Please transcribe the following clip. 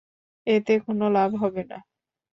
এতে কোন লাভ হবে না।